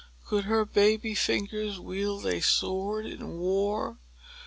Could her baby fingers wield a sword in war?